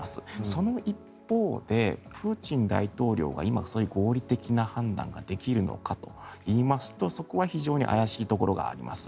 その一方で、プーチン大統領が今、そういう合理的な判断ができるのかといいますとそこは非常に怪しいところがあります。